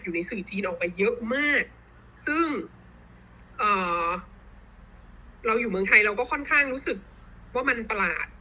อยู่ในสื่อจีนออกไปเยอะมากซึ่งเอ่อเราอยู่เมืองไทยเราก็ค่อนข้างรู้สึกว่ามันประหลาด